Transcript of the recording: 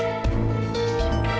kalian dapat semua